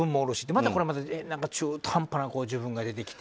またこれは中途半端な自分が出てきて。